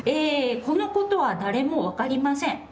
「このことは誰も分かりません。